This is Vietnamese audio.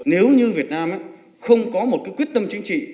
nếu như việt nam không có một cái quyết tâm chính trị